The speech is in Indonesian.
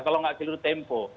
kalau nggak keliru tempo